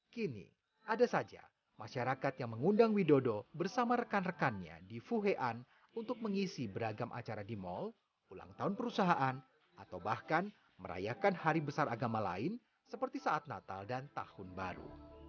kini ada saja masyarakat yang mengundang widodo bersama rekan rekannya di fuhean untuk mengisi beragam acara di mal ulang tahun perusahaan atau bahkan merayakan hari besar agama lain seperti saat natal dan tahun baru